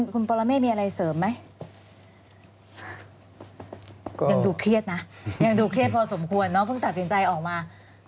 คุณปรเมฆมีอะไรเสริมไหมยังดูเครียดนะยังดูเครียดพอสมควรเนอะเพิ่งตัดสินใจออกมา